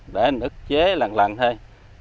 để ức chế lần lần thêm